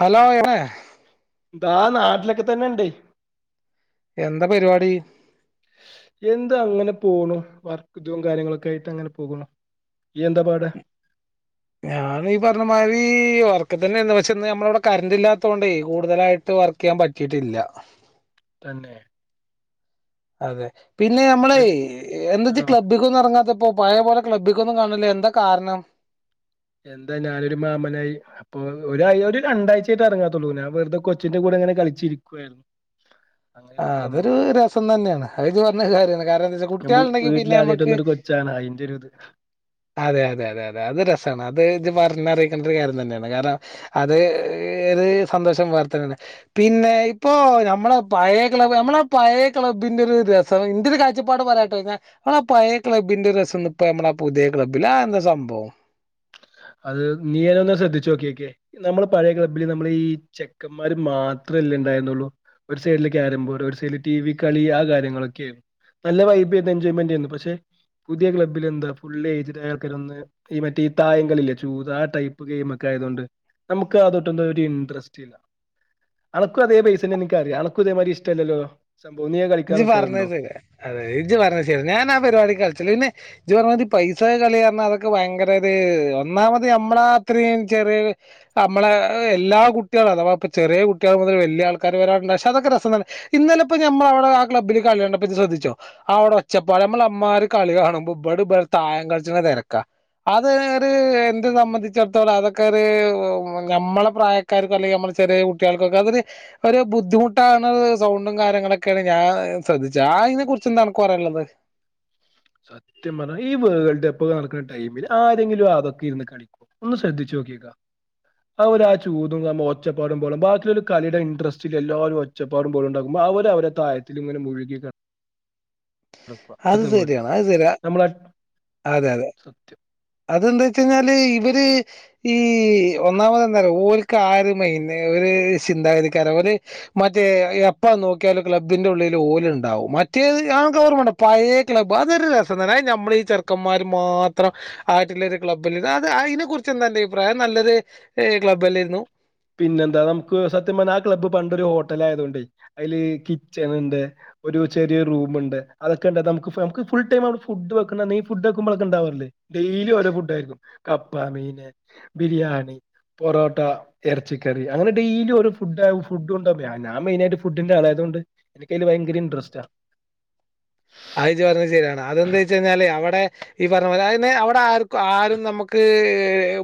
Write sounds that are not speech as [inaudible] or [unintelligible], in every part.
Hello എവടെ ഇതാ നാട്ടിലൊക്കെ തന്നെണ്ടേയ്. എന്ത പരിപാടി? എന്ത് അങ്ങനെ പോണു വർക്ക് ഇതും കാര്യങ്ങളൊക്കെ ആയിട്ട് അങ്ങനെ പോക്ണു. ഇയ്യെന്താ പാട്? ഞാനു ഈ പർഞ്ഞ മാതിരി വർക്ക് തന്നേര്ന്നു, പക്ഷെ ഇന്ന് നമ്മളെ ഇവടെ കറന്റ് ഇല്ലാഞ്ഞോണ്ടേ കൂടുതലായി ട്ട് വർക്കെയ്യാൻ പറ്റിയിട്ടില്ല. തന്നെ. അതെ. പിന്നെ യമ്മളെ എ- എന്തജ്ജ് ആ ക്ലബ്ബ് ക്കൊന്നും എർങ്ങാത്തപ്പം. പഴേ പോലെ ക്ലബിക്കൊന്നും കാൺണില്ല. എന്താ കാരണം? എന്ത ഞാനൊരു മാമനായി. അപ്പൊ ഒ ഒരു രണ്ടാഴ്ചായിട്ട് ഇറങ്ങാത്തുള്ളൂ ഞാനു വെറുതെ കോച്ചിന്റെ കൂടെ അങ്ങനെ കളിച്ചിരിക്കുവയായിരുന്നു. ആഹ് അതൊ രസം തന്നെയാണ് അത് ഇത് പറഞ്ഞത് കാര്യമാണ് കാരണം എന്താ വെച്ചാ കുട്ടികൾ ഉണ്ടെങ്കിൽ പിന്നെ നമുക്ക്. ച്ചാണ് അയിന്റെ ഒരു ഇത്. അതെ അതെ അതെ അതെ അത് രസമാണ് അത് ഇത് പറഞ്ഞറിയിക്കേണ്ട ഒരു കാര്യം തന്നെയാണ് കാരണം. അത് ഇത് സന്തോഷം വർത്തനാണ് പിന്നെ ഇപ്പോ നമ്മള പഴയ ക്ലബ് നമ്മുടെ പഴയ ക്ലബ്ബിന്റെ ഒരു രസം ഇന്റെരു കാഴ്പ്പാട് പറയാട്ടാ ഞാൻ. ആഹ് പഴയ ക്ലബ്ബിന്റെ രസം ഇപ്പ നമ്മള ആഹ് പുതിയ ക്ലബ്ബില ആഹ് എന്താ സംഭവം? അത് നീയനെ ഒന്ന് ശ്രദ്ധിച്ചു നോക്കിയക്കെ. നമ്മള് പഴയ ക്ലബ്ബില് നമ്മള ഈ ചെക്കന്മാര് മാത്രമല്ലേ ഉണ്ടായിരുന്നുള്ളു. ഒരു സൈഡില് കാരംമ്പോർട് ഒരു സൈഡില് ടി വി കളി ആഹ് കാര്യങ്ങളൊക്കെ ആയി നല്ല വൈബി എൻജോയ്മെന്റ് ചെയ്യുന്നു പക്ഷെ. പുതിയ ക്ലബ്ബിൽ എന്താ ഫുൾ ഏജ്ട് ആൾകാർ വന്ന് ഈ മറ്റേ ട്ടായങ്ങളല്ല ചൂത ആഹ് ടൈപ്പ് ഗെയിമ് ഒക്കെ ആയതൊണ്ട് നമുക്ക് അതൊട്ടും ഒരു ഇൻട്രസ്റ്റ് ഇല്ല. അനക്കും അതേ പൈസന്നെ എനിക്കറിയ അണക്കും അതേമാതിരി ഇഷ്ടല്ലല്ലോ സംഭവം നീ അത് കളിക്കാൻ ഇജ്ജ് പറഞ്ഞത് നീക്കാറുണ്ടോ? ശരിയാ അതെ ഇജ്ജ് പറഞ്ഞ ശരി ഞാൻ ആഹ് പരിപാടി കളിച്ചലില്ല പിന്നെ ഇജ്ജ് പറഞ്ഞമാതിരി പൈസളെ കളി പറഞ്ഞാ അതൊക്കെ ഭയങ്കരത് ഒന്നാമത് നമ്മളാ അത്രയും ചെറിയ നമ്മളെ എല്ലാ കുട്ടികളും അഥവാ ഇപ്പൾ ചെറിയ കുട്ടികൾ മുതൽ വലിയൾക്കാര് വരാറണ്ട് പക്ഷെ അതൊക്കെ രസം തന്നെ. ഇന്നലെ ഇപ്പോ ഞമ്മവിടെ ആഹ് ക്ലബ്ബില് കളി കണ്ടപ്പോ ഇജ്ജ് അത് ശ്രദ്ധിച്ചോ? അവിടെ ഒച്ചപ്പാട് നമ്മൾ അമ്മമാര് കളി കാണുമ്പ ഇവിടെ തായം കളിച്ചെണെ തിരക്കാ. അത് ഒരു എന്ത് സംബന്ധിച്ചിടത്തോളം അതൊക്കെ ഒരു ഞമ്മളെ പ്രായ ക്കാർക്കും അല്ലെങ്കിൽ നമ്മൾ ചെറിയ കുട്ടികൾക്കൊക്കെ അതൊ ഒരു ബുദ്ധിമുട്ടാണ് സൗണ്ടും കാര്യങ്ങളൊക്കെ. ഒക്കാണ് ഞാൻ ശ്രദ്ധിച്ചു ആഹ് അതിനെ കുറിച്ച് എന്താ അനക്ക് പറയാനുള്ളത്. സത്യം പറഞ്ഞൽ ഈ വേൾട് കപ്പ് നടക്കുന്ന ടൈമിൽ ആരെങ്കിലും അതൊക്കെ ഇരുന്ന് കാളി ഒന്ന് ശ്രദ്ധിച്ചു നോക്കിയകാ. അവർ ആഹ് ചൂതും നമ്മ ഒച്ചപ്പാടും പോലും ബാക്കിയൊ ഒരു കളിയുടെ ഇൻട്രസ്റ്റിൽ എല്ലാവരും ഒച്ചപ്പാടും പോലും ഉണ്ടാക്കുമ്പോൾ അവര് അവരെ തായത്തില ഇങ്ങനെ മുഴുകിണം അത് ശരിയാണ് അത് ശരി നമ്മള അതെന്താ വെച്ച കഴിഞ്ഞാല് ഇവര് ഈ ഒന്നാമത് എന്താ പറ ക്ക് ഒര് മൈണ്ട് ഒരു ചിന്താഗതിക്കാര ഒരു മറ്റേ എപ്പാ നോക്കിയാലും ക്ലബ്ബിന്റെ ഉള്ളിൽ ഓല് ഉണ്ടാവും മറ്റേ ആഹ് ഇക്ക് ഓർമ്മ പഴയ ക്ലബ് അതൊരു രസം തന്നെ നമ്മള ഈ ചെറുക്കന്മാർ മാത്രം ആയിട്ടിലൊരു ക്ലബ്ബല്ലരുന്നു അത് അതിനെ കുറിച്ച് എന്താണ്ന്റെ അഭിപ്രായം നല്ലൊരു ക്ലബ്ബല്ലായിരുന്നു പിന്നെ എന്താ നമുക്ക് സത്യം പറ ആഹ് ക്ലബ് പണ്ട് ഒരു ഹോട്ടൽ ആയതൊണ്ട് അതില് കിച്ചൺ ഉണ്ട് ഒരു ചെറിയ റൂം ഉണ്ട് അതൊക്കെ ഉണ്ട നമുക്ക് ഫുൾ ടൈം അവിടെ ഫുഡ് വെക്കുന്നുണ്ടക്കി ഫുഡ്ക്കുമ്പോഴൊക്കെ ഉണ്ടാവറല്ലേ ഡെയിലി ഓരോ ഫുഡ് ആയിരിക്കും കപ്പ മീന് ബിരിയാണി പൊറോട്ട ഇറച്ചിക്കറി അങ്ങനെ ഡെയിലി ഒരു ഫുഡ ഫുഡ്ണ്ടോ ഞാൻ മെയിൻ ആയിട്ട് ഫുഡിന്റെ ആളായതുകൊണ്ട് എനി അയില് ഭയങ്കര ഇൻട്രസ്റ്റാ അഹ് ഇജ്ജ് പറഞ്ഞത് ശരിയാണ് അതെന്താ വെച്ച കഴിഞ്ഞാല് അവിടെ ഈ പറഞ്ഞ പോലെ അത് തന്നെ അവിടെ ആർക്കും ആരും നമുക്ക്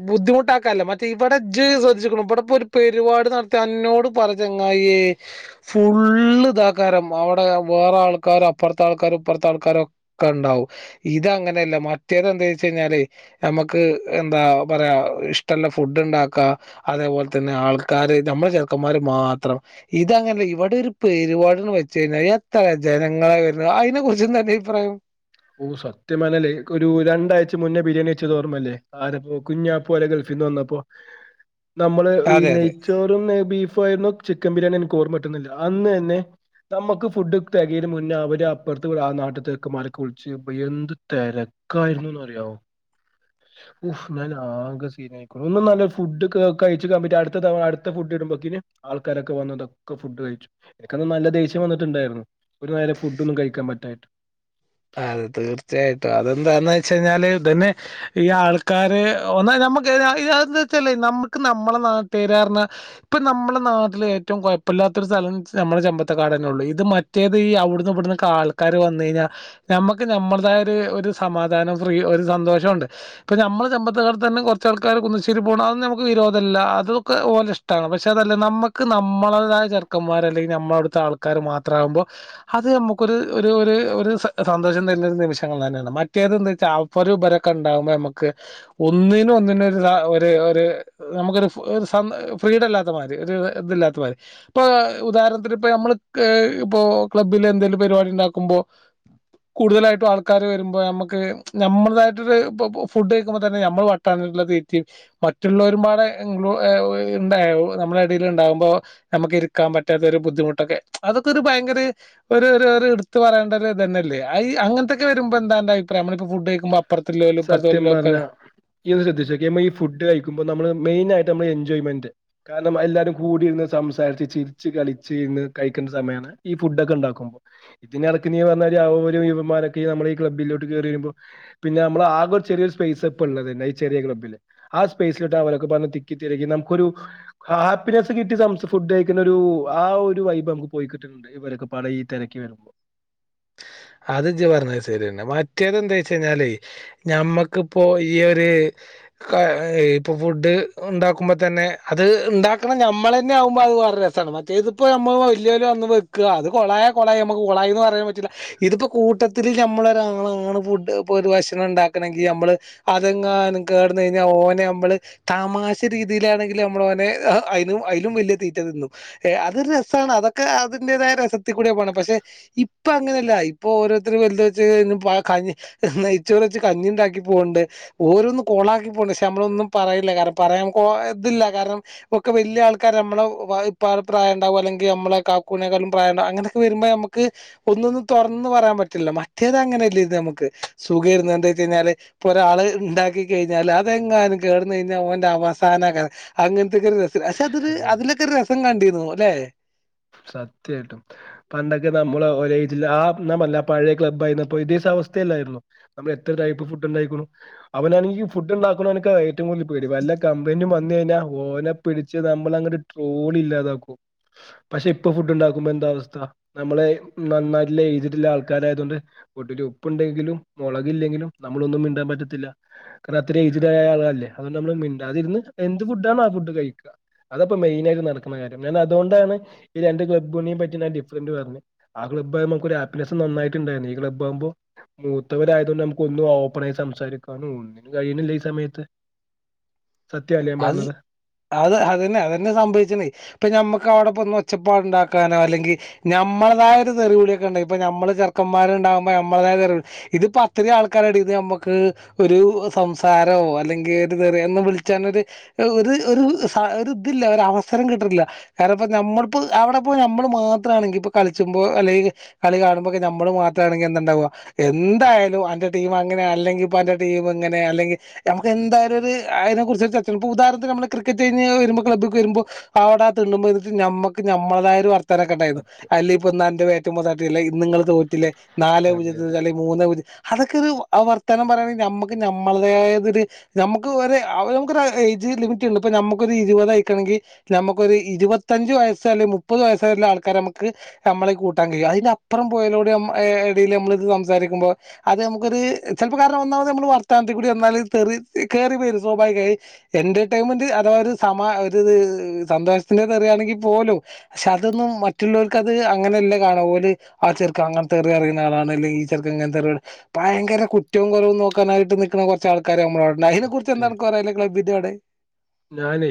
ബുദ്ധിമുട്ടാക്കല്ലോ മ ഇവിടെ ജ് ശ്രദ്ച്ചിക്കു ഇവിടെപ്പൊ ഒരു പരിപാട് നടത്തി എന്നോട് പറ ചങ്ങായേ ഫുള് ഇതാക്കാരം അവിടെ വേറെ ആൾക്കാരും അപ്പുറത്തെ ആൾക്കാരും പ്പുറത്തെ ആൾക്കാരൊക്കെ ഉണ്ടാവും ഇത് അങ്ങനെയല്ല മറ്റേതെന്താ വെച്ച കഴിഞ്ഞാല് നമ്മക്ക് എന്താ പറയാ ഇഷ്ടള്ള ഫുഡ് ഉണ്ടാക്കാ അതേപോലെ തന്നെ ആൾക്കാര് നമ്മളെ ചെറുക്കന്മാര് മാത്രം ഇതങ്ങനെ ഇവിടെ ഒരു പെരുപാടിന്ന് വെച്ച് കഴിഞ്ഞാൽ എത്ര ജനങ്ങളാ വരുന്നു അതിനെക്കറിച്ച് [unintelligible] അഭിപ്രായം ഓ സത്യംമാനല്ലേ ഒരു രണ്ടാഴ്ച മുന്നേ ബിരിയാണി വെച്ച തോർമ്മല്ലേ ആരപ്പോ കുഞ്ഞാപ്പൂ അല്ലെ ഗൾഫിൽ നിന്ന് വന്നപ്പോ നമ്മള് ഈ അതെ അതെ നെയ്ച്ചോറും ബീഫും ആയിരുന്നു ചിക്കൻ ബിരിയാണി എനിക്ക് ഓർമകിട്ടുന്നില്ല അന്ന് തന്നെ നമമക്ക് ഫുഡ് തെ കേന് മുന്നേ അവര് അപ്പുറത്ത് ആഹ് നാട്ട്ത്തെ ചെക്കമ്മാര്- കുളിച്ച് എന്ത് തിരക്കായിരുന്നുന്ന് അറിയാവോ ഒഹ് മേലാകെ സീനാ പായിക്ണ് ഒന്നും നല്ല ഫുഡ് കഴിച്ചുക്കാൻ പറ്റ അടുത്ത തവ അടുത്ത ഫുഡ് ഇടുമ്പോക്കിന് ആൾക്കാരൊക്കെ വന്ന് ട്ടൊക്കെ ഫുഡ് കഴിച്ചു എനിക്കന്ന നല്ല ദേഷ്യം വന്നിട്ടുണ്ടായിരുന്നു ഒരു നേം ഫുഡ് ഒന്നും കഴിക്കാൻ പറ്റാായിട്ട് അതെ തീർച്ചയായിട്ടും അതെന്താന്ന് വെച്ച കഴിഞ്ഞാല് ഇതന്നെ ഈ ആൾക്കാര് [unintelligible] നമ്മുക്ക് നമ്മളെ നാട്ടാര് ർ ഞ്ഞ ഇപ്പം നമ്മുടെ നാട്ടിൽ ഏറ്റവും കുഴപ്പമില്ലാത്തൊരു സ്ഥലം നമ്മുടെ ചെമ്പത്തക്കാടന്നെ ഉള്ളൂ ഇത് മ റ്റേത് ഈ അവ്ട്ന്ന് ഇവിടുന്നന്ന് ആൾക്കാര് വന്ന് കഴിഞ്ഞാൽ നഞമ്മക്ക് നമ്മളതായ ഒരു സമാധാനം ഫ്രീ ഒരു സന്തോഷംണ്ട് ഇപ്പൊ നമ്മള് ചമ്പക്കാട്ത്ത് തന്നെ കുറച്ച ആൾക്കാര് കുന്നശ്ശേരി പോകണം അതൊന്നും നമ്മക്ക് വിരോധല്ല അതൊക്കെ ഓലിഷ് ഓലെഇഷ് ട്ടാണ് പക്ഷെ അതല്ല നമ്മുക്ക് നമ്മളടേതായ ചെറ്ക്കന്മാർ അല്ലെങ്കിൽ നമ്മള അടുത്തെ ആൾക്കാര് മാത്രാവുമ്പോ അത് നമ്മുക്കൊരു ഒരു ഒരു ഒര് സ സന്തോഷം തരുന്നൊരു നിമിഷങ്ങൾ തന്നെയാണ് മറ്റേത് എന്താ വച്ചാൽ ആൾക്കാര് വരെ കണ്ടാൽ നമുക്ക് ഒന്നിനും ഒന്നിന് ഒര് ഒര് ഒര് നമുക്കൊരു ഫ് സ ഫ്രിഡം ഇല്ലാത്തമാതിരി ഒരു ഇതില്ലാത്തമാരി ഇപ്പൊ ഉദാഹണത്തിന് ഇപ്പ നമ്മള് ഇപ്പൊ ക്ലബ്ബില് എന്തെങ്കിലും പരിപാടി ഉണ്ടാക്കുമ്പോ കൂടുതലായിട്ടും ആൾക്കാര് വരുമ്പോ നമ്മുക്ക് നമ്മുടെതായിട്ട് ഒര് ഫുഡ് കൾക്കുമ്പോ തന്നെ നമ്മ തമ്മിലുള്ള തീറ്റ മറ്റുള്ളവരും പാട് ഉണ്ടായ നമ്മള ഇടൽ ഉണ്ടാകുമ്പോ നമുക്ക് ഇരിക്കാൻ പറ്റാത്ത ഒരു ബുദ്ധിമുട്ടൊക്കെ അതൊക്കെ ഒരു ഭയങ്കര ഒരു ഒരു ഒര്എടുത്ത് പറേണ്ട ഒരു ഇ തന്നെല്ലേ അങ്ങനത്തൊക്കെ വരുമ്പോ എന്താന്റെ അഭിപ്രായ നമ്മ ഫുഡ് കയി സത്യം പറഞ്ഞാ യ്യ് ഒന്ന്ശ്രദ്ധിച്ചോക്യാ ഈ ഫുഡ് കഴിക്കുമ്പോ നമ്മള് മെയി ആയിട്ട് നമ്മള് എൻജോയ്മെന്റ് കാരണം എല്ലാരും കൂടിയിരുന്ന് സംസാരിച്ച് ചിരിച്ച് കളിച്ച് ഇന്ന് കഴിക്കണ്ട സമയാണ് ഈ ഫുടോക്കെ ണ്ടാക്കുമ്പോ ഇതിനിടക്ക പറഞ്ഞ ഒരു ഒരു യുവമാരൊക്കെ നമ്മ ഈ ക്ലബ്ബിലേക്ക് കയറി വരുമ്പോ പിന്നെ നമ്മള് ആകെ ഒരുചെറിയരു സ്പൈസപ്പ ള്ളത് ന്നെ ഈചെറിയ ക്ലബില് ആ സ്പേസിലിട്ട് അവരൊക്കെ വന്ന് തിക്കി തിരികി നമുക്കൊരു ഹാപ്പിനെസ് കിട്ടി സം ഫുഡ് കഴിക്കുന്ന ഒരു ആ ഒരു വൈബ് നമുക്ക് പോയി കിട്ടുന്നുണ്ട് ഇവരൊക്ക പാട ഈ തിരക്കി വരുമ്പോ അത് ഇജ്ജ് പറഞ്ഞത് ശരിയന്നെ മറ്റേത് എന്താ വെച്ച കഴിഞ്ഞാലേ നഞമ്മക്കിപ്പോ ഈ ഒരു ഇപ്പൊ ഫുഡ് ഉണ്ടാക്കുമ്പോ തന്നെ അത് ഉണ്ടാക്കണ നമ്മൾ തന്നെ ആകുമ്പോ അത് വേറെ ഒര്രസമാണ് റ്റേ ഇതിപ്പോ നമ്മ വലിയോൽ വന്ന് വെക്കുക അത് കുളയ കുളായി നമുക്ക് കുളായിന്ന് പറയാൻ പറ്റില്ല ഇതിപ്പോ കൂട്ടത്തിൽ നഞമ്മള ഒരാളാണ് ഫുഡ് ഇപ്പൊ ഒരു ഭക്ഷണം ഉണ്ടാക്കണമെങ്കിൽ നമ്മള് അതെങ്ങാനും കേടുന്ന കഴിഞ്ഞാൽ ഓനെ നമ്മള് താമാശ രീതിയിലാണെങ്കിൽ നമ്മള ഓനെ അുയിലും അതിലും വലിയ തീറ്റ തിന്നു ഏ അതൊരു രസമാണ് അതൊക്കെ അതിന്റേതായ രസത്തിൽ കൂടെ പോണം പക്ഷെ ഇപ്പൊ അങ്ങനെയല്ല ഇപ്പൊ ഓരോര്ത്തര് വെല്ത് വെച്ച് ഇന്ന്പ്പാ കഞ്ഞി നെയച്ചോറ് വച്ച് കഞ്ഞി ഇണ്ടാക്കി പോവ്ണ്ട് ഓരോന്നും കോളാക്കിപ്പോവ്ണ് പക്ഷേ നമ്മളൊന്നും പറയല്ലെ കാരണം പറയാൻ കൊ ഇതില്ല കാരണം ഒക്കെ വെല്ല്യ ആൾക്കാരാ അമ്മളെ വായി ഇപ്പാടെ പ്രായണ്ടാവും അല്ലെങ്കി അമ്മളെ കാക്കൂനെക്കാട്ലും പ്രായണ്ടാവും അങ്ങനെ വെരുമ്പ ഞമ്മക്ക് ഒന്നൊന്ന്‌ തൊറ് ന്ന് പറയാൻ പറ്റില്ല മറ്റേത് അങ്ങനെയല്ലേര്ന്ന് ഞമ്മക്ക് സുഖേര്ന്ന് എന്തേച്ചെയ്ഞ്ഞാല് ഇപ്പൊ ഒരാള് ഇണ്ടാക്കി കഴിഞ്ഞാല് അതെങ്ങാനും കേടന്ന് കഴിഞ്ഞാ ഓന്റെ അവസാനേക്കാ അങ്ങത്തെക്കെ ഒരു രസം പക്ഷെ അതൊരു അതിലൊക്കെ ഒരു രസം കണ്ടീരുന്നുല്ലെ സത്യായിട്ടും പണ്ടൊക്കെ നമ്മള് ഒരേ ഏജില് ആ [unintelligible] പഴേ ക്ലബ്ബ് ആയിരന്നപ്പോ ഇതേ സമസ്തയല്ലായിരുന്നോ നമ്മളെ എത്ര ടൈപ്പ് ഫുഡ് ഇണ്ടായിക്ക്ണു അവനാണെങ്കി ഫുഡ് ഇണ്ടാക്കണോന്ക്കാ ഏറ്റവും കൂടുതല് പേടി വല്ല കംപ്ലയിന്റും വന്ന് കഴിഞ്ഞാ ഓനെ പിടിച്ച് നമ്മള് അങ്ങട് ട്രോളി ഇല്ലാതാക്കും പക്ഷേ ഇപ്പൊ ഫുഡ് ഇണ്ടാക്ക്മ്പോ എന്താ അവസ്ഥ നമ്മളെ നന്നായിട്ട്ള്ളെ ഏയ്ജ്ട്ള്ള ആൾക്കാരായതോണ്ട് ഫുഡില് ഉപ്പുണ്ടെങ്കിലും മൊളകില്ലെങ്കിലും നമ്മളൊന്നും മിണ്ടാൻ പറ്റത്തില്ല കാരണം അത്ര ഏയ്ജ്ടായ ആളല്ലേ അതോണ്ട് അമ്മള് മിണ്ടാതിര്ന്ന് എന്ത് ഫുഡ്ഡാണോ ആ ഫുഡ് കഴിക്കാ അതാപ്പോ മെയിനായിട്ട് നടക്കുന്ന കാര്യം ഞാൻ അതോണ്ടാണ് ഈ രണ്ട് ക്ലബ്ബുണിം പറ്റി ഞാൻ ഡിഫറന്റ്‌ പറഞ്ഞെ ആ ക്ലാബ്ബാവുമ്പോ നമക്കൊര് ഹാപ്പിനെസ് നന്നായിട്ട് ഇണ്ടായ്ന് ഈ കബ്ബാവുമ്പോ മൂത്തവരായതോണ്ട് നമുക്ക് ഒന്നും ഓപ്പണായി സംസാരിക്കാനും ഒന്നിനും കഴിയ്ണ്ല്ല ഈ സമയത്ത് സത്യായില്ലേ ഞാൻ അത് പറഞ്ഞത് അത് അതന്നെ അതന്നെ സംഭവിച്ച്ണെ ഇപ്പൊ ഞമ്മക്ക് അവടെപ്പൊന്ന് ഒച്ചപ്പാട് ഇണ്ടാക്കാനോ അല്ലെങ്കി നമ്മള്തായൊരു തെറി വിളിയൊക്കെണ്ടെ ഇപ്പോ ഞമ്മള് ചെറ്ക്കന്മാര് ഇണ്ടാവുമ്പോ നമ്മളതായെ തെറി വിളി ഇത്പ്പോ അത്തിരി ആൾക്കാരെ എടേന്ന് ഞമ്മക്ക് ഒരു ആഹ് സംസാരോ അല്ലെങ്കി ഒരു തെറി എന്ന് വിളിച്ചാനൊര് ഒര് ഒരു സ ഒരു ഇതില്ല ഒരവസരം കിട്ട്ണില്ല കാരണം ഇപ്പ നമ്മള്പ്പോ അവടെപ്പോയ് ഞമ്മള് മാത്രാണെങ്കി ഇപ്പൊ കളിച്ച്മ്പോ അല്ലെങ്കി കളി കാണുമ്പൊക്കെ ഞമ്മള് മാത്രാണെങ്കി എന്താണ്ടാവാ എന്തായാലും അന്റെ ടീം അങ്ങനെ അല്ലെങ്കിപ്പൊ അന്റെ ടീം ഇങ്ങനെ അല്ലെങ്കി ഞമ്മക്കെന്തായാലൊര് അയിനെ കുറിച്ച് [unintelligible] ഇപ്പോ ഉാദാഹരണത്തി ഞമ്മള് ക്രിക്കറ്റ് കഴിഞ്ഞ് വെരുമ്പോ ക്ലബ്ബ്‌ക്ക് വെരുമ്പോ അവടെ തിണ്ണമ്മെ ഇര്ന്നിട്ട് ഞമ്മക്ക് നമ്മള്തായൊരു വർ ത്താനെക്കെ ഇണ്ടാരുന്നു സത്യം അല്ലേപ്പോ ഇന്ന് അന്റെ ബാറ്റ്മ്മേ തട്ടീല്ലെ ഇന്ന് ഇങ്ങള് തോറ്റിലേ നാലേ അതെ അതെ പൂജ്യത്തിന് അല്ലേ മൂന്നേ പൂജ്യം അതെക്കെ ഒരു ആ വർത്താനം പറയണെ ഞമ്മക്ക് നമ്മള്തായതൊര് ഞമ്മക്ക് ഒര് അവ ഞമ്മക്കൊര് ഏയ്ജ് ലിമിറ്റിണ്ട് ഇപ്പൊ ഞമ്മക്കൊര് ഇരുവതായിക്കാണെങ്കി ഞമ്മക്കൊര് ഇരുവത്തഞ്ച് വയസ്സ് അല്ലെങ്കി മുപ്പത് വയസ്സായിട്ള്ളെ ആൾക്കാരെ ഞമ്മക്ക് ഞമ്മളെ കൂട്ടാൻ കഴിയും അയിന്റെ അപ്പറം പോയലോട് ഞമ്മ ഏഹ് എടേല് ഞമ്മള് ഇത് സംസാരിക്ക്യുമ്പോ അത് ഞമ്മക്കത് ചെലപ്പോ കാരണം ഒന്നാമത് ഞമ്മള് വർത്താനത്തിക്കൂടി വന്നാല് തെറി കേറി വരും സ്വാഭാവികായി എന്റർടൈൻമെന്റ് അഥവാ ഒരു സമാ ഒരിത് സന്തോഷത്തിന്റെ തെറിയാണെങ്കി പോലും പക്ഷേ അതൊന്നും മറ്റ്ള്ളോല്ക്കത് അങ്ങനെയല്ല കാണാ ഓല് ആ ചെറ്ക്കൻ അങ്ങത്തെറി പറിണ ആളാണ് അല്ലെ ഈ ചെർക്കൻ ഇങ്ങത്തെറി ഭയങ്കര കുറ്റവും കൊറവും നോക്കാനായിട്ട് നിക്ക്ണെ കൊറച്ച് ആൾക്കാര് ഞമ്മളെ ഇവടെണ്ട് അയ്നെ കുറിച്ചെന്താ സത്യായിട്ടും അന്ക്ക് പറയാല്ലെ എടേ ഞാനേ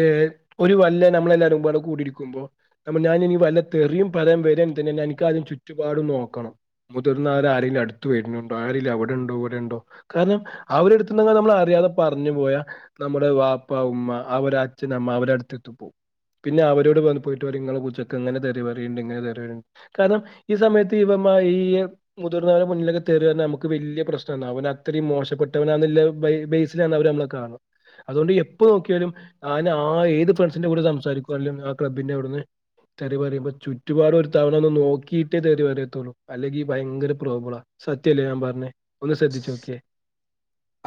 ഏഹ് ഒര് വല്ല ഞമ്മളെല്ലാരുപാടെ കൂടിരിക്കുമ്പോ [unintelligible] ഞാനിനി വല്ല തെറിം പറയാ വെരണ്ടേന് തന്നെ എനിക്കാദ്യം ചുറ്റുപാടും നോക്കണം മുതിർന്നോലാരെങ്കിലും അട്ത്ത് വെര്ണണ്ടോ ആരെലു അവടെണ്ടോ ഇവടെണ്ടോ കാരണം അവരട്ത്ത് എന്തെങ്കിലമ്മൾ അറിയാതെ പറഞ്ഞു പോയാ നമ്മുടെ വാപ്പ ഉമ്മ അവര് അച്ഛനമ്മ അവരടത്ത് എത്തി പോം പിന്നെ അവരോട് വന്ന് പോയിട്ടറയും ഇങ്ങളെ വീട്ട്ച്ചെക്കൻ ഇങ്ങനെ തെറിപറയുണ്ടിങ്ങനെ തെറി കാരണം ഈ സമയത്ത് ഇവമ ഈ മുതിർന്നവരെ മുന്നിലൊക്കെ തെറിപറഞ്ഞ നമുക്ക് വല്യ പ്രശ്നാന്ന് അവൻ അത്രയും മോശപ്പെട്ടവനാന്ന് ല്ല ബേ ബേസിലാണ് അവര് നമ്മളെ കാണ അത്കൊണ്ട് എപ്പ നോക്കിയാലും ഞാനാ ഏത്ഫ്രണ്ട്സിന്റെ കൂടെ സംസാരിക്കുവാണേലും ആ ക്ലബ്ബിന്റെ അവിട്ന്ന് തെറി പറയുമ്പ ചുറ്റുപാടും ഒരു തവണ ഒന്ന് നോക്കീട്ടെ തെറി പറയത്തുള്ളൂ അല്ലെങ്കി ഭയങ്കര പ്രോബ്ളാ സത്യല്ലേ ഞാൻ പറഞ്ഞെ ഒന്ന് ശ്രദ്ധിച്ചോക്കിയേ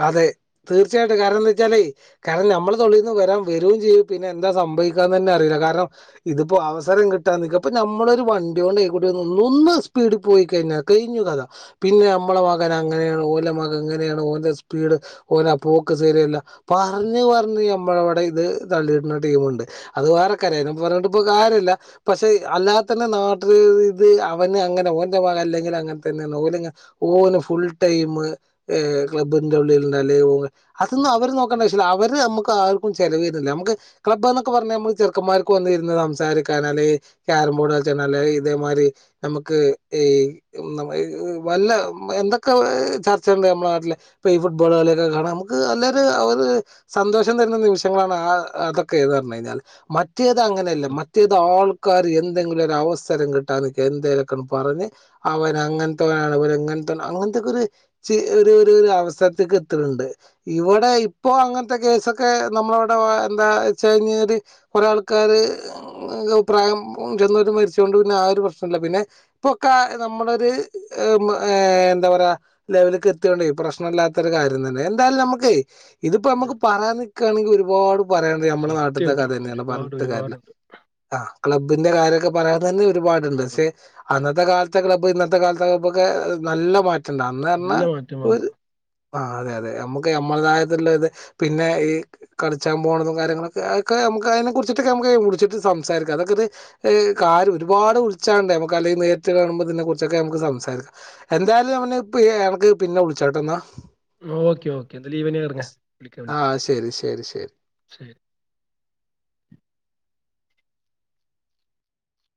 അതെ തീർച്ചയായിട്ടും കാരണം എന്താച്ചാലെ കാരണം നമ്മളെ തൊള്ളേന്ന് വരാൻ വരുവും ചെയ്യും പിന്നെന്താ സംഭവിക്കാനന്നെ അറിയില്ല കാരണം ഇതിപ്പോ അവസരം കിട്ടാൻ നിക്ക അപ്പ നമ്മളൊരു വണ്ടി കൊണ്ട് എയ്കൂടന്ന് ഒന്ന് സ്പീഡിൽ പോയി കഴിഞ്ഞാൽ കഴിഞ്ഞു കഥ പിന്നെ നമ്മളെ മകൻ അങ്ങനെയാണ് ഓലെ മകൻ ഇങ്ങനെയാണ് ഓന്റെ സ്പീ സ്പീട് ഓന പോക്ക് സരിയല്ല പറഞ്ഞ് പറഞ്ഞ് നമ്മളവിടെ ഇത് തള്ളിയിടുന്ന ടീമൊണ്ട് അത് വേറെക്കരയ പറഞ്ഞിട്ട് ഇപ്പൊ കാര്യല്ല പക്ഷെ അല്ലാത്തന്നെ നാട്ടില് ഇത് അവന് അങ്ങനെ ഓന്റെ മക അല്ലെങ്കില് അങ്ങനതന്നേന്ന് ഓല് ഓന് ഫുൾ ടൈം ഏഹ് ക്ലബ്ബിന്റെ ഉള്ളിലൊണ്ട അല്ലേ ഓ അതൊന്നും അവര് നോക്കണ്ടാവിശില്ല അവര് നമക്ക് ആർക്കും ചെലവരുന്നില്ല നമുക്ക് ക്ലബ് എന്നൊക്കെ പറഞ്ഞാ നമ്മൾ ചെറുക്കന്മാർക്ക് വന്നിര്ന്ന് സംസാരിക്കൻ അല്ലേ ക്യാരം ബോർഡ് കളിച്ചാനല്ലേ ഇതേമാരി നമുക്ക് ഈ വല്ല എന്തൊക്കെ ചർച്ചയൊണ്ട് നമ്മള നാട്ടില് ഇപ്പൊ ഈ ഫുട്ബോളളിയൊക്കെ കാണാം നമക്ക് അന്നേര് അവര് സന്തോഷം തരുന്ന നിമിഷങ്ങളാണ് ആഹ് അതൊക്കേന്ന് പറഞ്ഞഴിഞ്ഞാൽ മ മറ്റേത് അങ്ങനെയല്ല സത്യം മറ്റേത് ആൾക്കാര് എന്തെങ്കിലും ഒരു അവസരം കിട്ടാൻനിക്ക എന്തേലൊക്കെന്ന് പറഞ്ഞ് അവൻ അങ്ങൻത്തോനാണ് ഇവരിങ്ങൻത്തോനാണ് അങ്ങനത്തൊക്കെരു ചെ ഒരു ഒരു അവസ്ഥ സത്ത്ക്ക് എത്തണിണ്ട് ഇവിടെ ഇപ്പോ അങ്ങനത്തെ കേസൊക്കെ നമ്മളവിടെ എന്താ വച്ചാഴിഞ്ഞാല് കൊറേ ആൾക്കാര് പ്രായം ചെന്നോട്ട് മരിച്ചൊണ്ട് പിന്നെ ആ ഒരു പ്രശ്നല്ല പിന്നെ ഇപ്പൊക്കെ നമ്മളൊര് എന്താ പറയാ ലെവല്ക്ക് എത്തിയൊണ്ടെ പ്രശ്നില്ല ത്തൊര് കാര്യം തന്നെ എന്താലും നമുക്കെ ഇതിപ്പ അമുക്ക് ഉം. പറയാൻ നിക്കാണെങ്കി ഒരുപാട് പറയാണ്ട് ഞമ്മടെ നാട്ട്ത്തെ സത്യമായിട്ടും കഥന്നെയാണ് ഒരുപാട് പറഞ്ഞിട്ട് കാരില്ല ഒരുപാടുണ്ട് ആഹ് ക്ലബ്ബിന്റെ കാര്യൊക്കെ പറയാതന്നെ ഒരുപാടുണ്ട് ഉം. പക്ഷെ അന്നത്തെ കാലത്തെ ക്ലബ് ഇന്നത്തെ കാലത്തെ ക്ലബ്ബൊക്കെ നല്ല മാറ്റണ്ട് അന്ന് പറഞ്ഞ നല്ല മാറ്റം വന്നു ഒര് ആഹ് അതെ അതെ ഞമക്ക് ഞമ്മളതായതിള്ള ഇത് പിന്നെ ഈ കളിച്ചാ പോണതും കാര്യങ്ങളൊക്കെ അതക്കെ നമക്ക് അതിനെ കുറിച്ചിട്ടൊക്കെ ഞമക്ക് വിളിച്ചിട്ട് സംസാരിക്കാം അതൊക്കെര് കാര്യ ഒരുപാട് വിളിച്ചാണ്ടെ നമുക്കല്ലങ്കി നേരിട്ട്കാണുമ്പൊ ഇതിനെ കുറിച്ചൊക്കെ നമക്ക് സംസാരിക്കാം എന്തായാലും അവന് എനക്ക് പിന്നെ വിളിച്ചോട്ട എന്നാ ഓക്കെ ഓക്കെ എന്തലു ഈവനിങ്ങെറങ്ങ് ആഹ് ശരി ശരി ശരി ശരി